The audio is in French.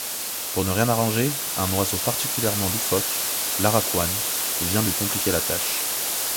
Pour ne rien arranger, un oiseau particulièrement loufoque, l'aracuan, vient lui compliquer la tâche...